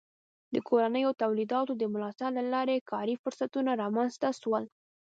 د کورنیو تولیداتو د ملاتړ له لارې کاري فرصتونه رامنځته سول.